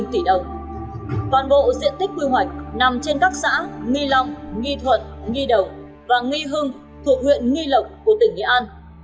toàn bộ diện tích quy hoạch nằm trên các xã nghì long nghì thuận nghì đồng và nghì hưng thuộc huyện nghì lộc của tỉnh nghệ an